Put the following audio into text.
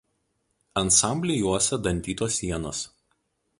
Ansamblį juosia dantytos sienos.